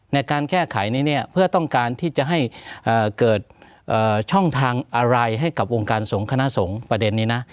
ในการแก้ไขนี้เนี่ยเพื่อต้องการที่จะให้เกิดช่องทางอะไรให้กับวงการสงฆ์คณะสงฆ์ประเด็นนี้นะ